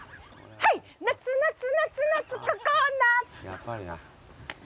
やっぱりな。